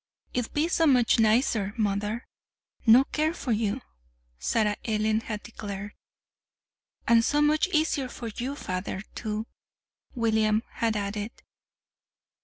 "It'll be so much nicer, mother, no care for you!" Sarah Ellen had declared. "And so much easier for you, father, too," William had added.